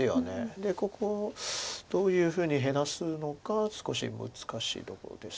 でここどういうふうに減らすのか少し難しいところです。